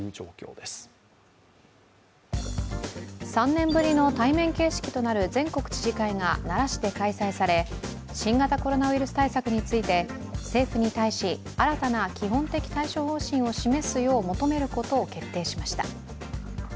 ３年ぶりの対面形式となる全国知事会が奈良市で開催され、新型コロナウイルス対策について政府に対し、新たな基本的対処方針を示すよう求めることを決定しました。